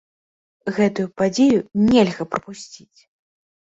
Гэтую падзею нельга прапусціць!